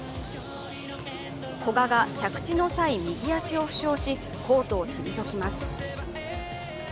古賀が着地の際、右足を負傷し、コートを退きます。